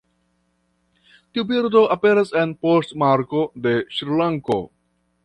Tiu birdo aperas en poŝtmarko de Srilanko.